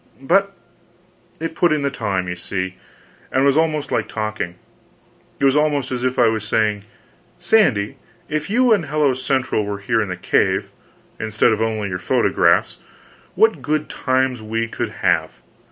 But it put in the time, you see, and was almost like talking; it was almost as if I was saying, "Sandy, if you and Hello Central were here in the cave, instead of only your photographs, what good times we could have!"